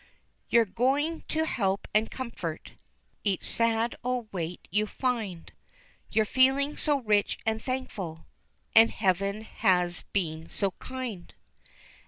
You're going to help and comfort Each sad old wight you find? You're feeling so rich and thankful, And heaven has been so kind?